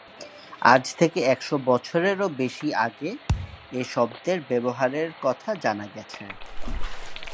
আজ থেকে একশো বছরেরও বেশি আগে এ শব্দের ব্যবহারের কথা জানা গেছে।